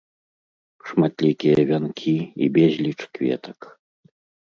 Шматлікія вянкі і безліч кветак.